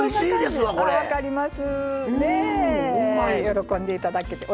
喜んでいただけて。